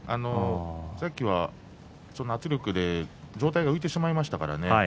先ほどは圧力で上体が浮いてしまいました。